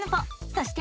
そして。